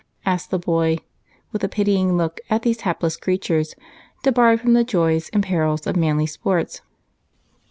asked the boy, with a pitying look at these hapless creatures debarred from the joys and perils of manly sports.